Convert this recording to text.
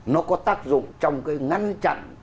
nó có tác dụng trong cái ngăn chặn